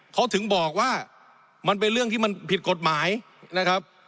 เขาถึงบอกว่ามันเป็นเรื่องที่มันผิดกฎหมายนะครับ